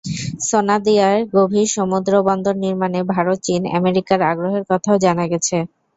সোনাদিয়ায় গভীর সমুদ্র বন্দর নির্মাণে ভারত, চীন, আমেরিকার আগ্রহের কথাও জানা গেছে।